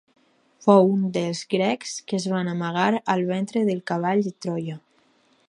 Fou un dels grecs que es van amagar al ventre del Cavall de Troia.